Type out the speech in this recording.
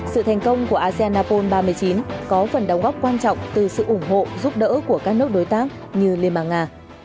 sự thành công của asean apol ba mươi chín có phần đóng góp quan trọng từ sự ủng hộ giúp đỡ của các nước đối tác như liên bang nga